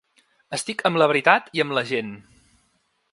Estic amb la veritat i amb la gent.